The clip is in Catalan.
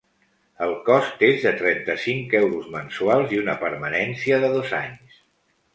El cost és de trenta-cinc euros mensuals i una permanència de dos anys.